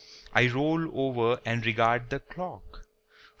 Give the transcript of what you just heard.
I roll over and regard the clock.